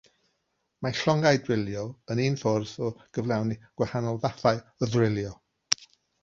Mae llongau drilio yn un ffordd o gyflawni gwahanol fathau o ddrilio.